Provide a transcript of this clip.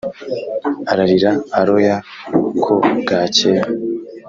ararira aroya ko bwakeye